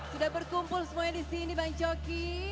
sudah berkumpul semuanya disini bang joki